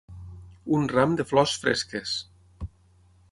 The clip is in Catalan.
Un ram de flors fresques.